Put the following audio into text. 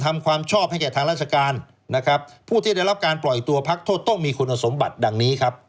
ความชอบให้แก่ทางราชการนะครับผู้ที่ได้รับการปล่อยตัวพักโทษต้องมีคุณสมบัติดังนี้ครับ